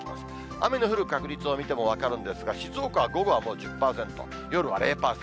雨の降る確率を見ても分かるんですが、静岡は午後はもう１０％、夜は０％。